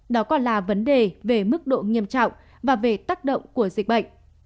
đó còn là vấn đề về mức độ nghiêm trọng và về tác động của dịch bệnh